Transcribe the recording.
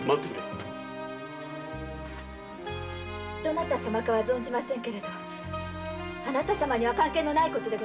どなた様か存じませんがあなた様には関係のないことです。